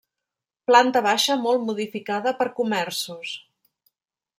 Planta baixa molt modificada per comerços.